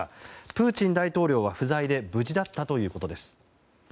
プーチン大統領は不在で無事だったということです。